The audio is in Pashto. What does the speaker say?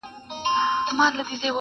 o پنډ مه گوره، ايمان ئې گوره٫